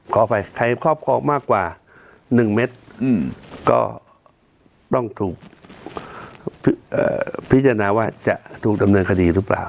ขออภัยใครครอบครองมากกว่า๑เมตรก็ต้องถูกพิจารณาว่าจะถูกดำเนินคดีหรือเปล่า